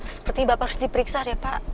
seperti bapak harus diperiksa ya pak